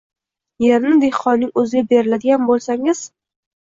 yerni dehqonning o‘ziga beradigan bo‘lsangiz